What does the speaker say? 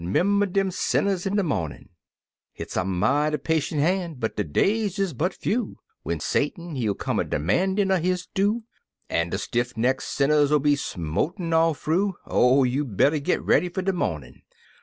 'member dem sinners in de mornin't Hit's a mighty pashent han', but de days is but few, Wen Satun, he'll come a demandin' un his due. En de stiff neck sinners 'II be smotin' all fru — Oh, you better git ready fer de mornin'